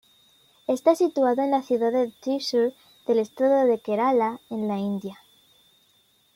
Está situado en la ciudad de Thrissur, del estado de Kerala en la India.